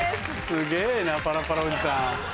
すげぇなパラパラおじさん。